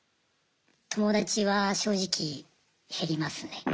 友だちは正直減りますね。